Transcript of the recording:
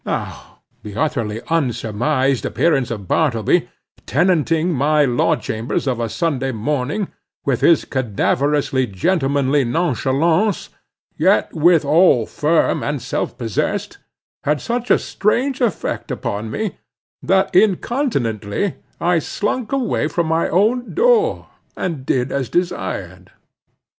Now, the utterly unsurmised appearance of Bartleby, tenanting my law chambers of a Sunday morning, with his cadaverously gentlemanly nonchalance, yet withal firm and self possessed, had such a strange effect upon me, that incontinently I slunk away from my own door, and did as desired.